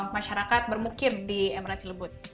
masyarakat bermukim di emerald cilebut